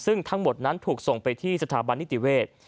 ซึ่งทั้งหมดนั้นถูกส่งไปที่สถาบันนิติเวศ